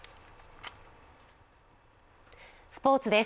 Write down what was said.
スポーツです。